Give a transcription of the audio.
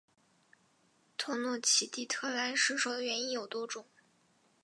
特诺奇蒂特兰失守的原因有多种。